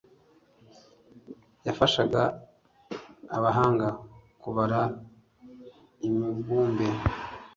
Yafashaga abahanga kubara imibumbe